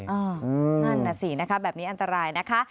นั่นน่ะสินะคะแบบนี้อันตรายนะคะ